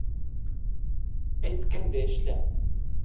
Әйткәнде эшлә!